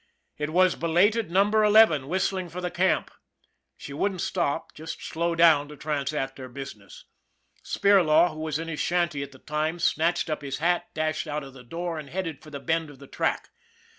It was belated Num ber Eleven whistling for the camp she wouldn't stop, just slow down to transact her business. Spirlaw, who was in his shanty at the time, snatched up his hat, dashed out of the door, and headed for the bend of the track.